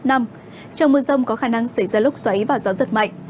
trong mưa rông có khả năng xảy ra lốc xoáy và gió rất mạnh